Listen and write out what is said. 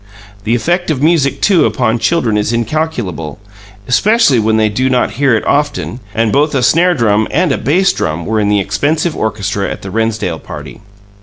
The effect of music, too, upon children is incalculable, especially when they do not hear it often and both a snare drum and a bass drum were in the expensive orchestra at the Rennsdale party.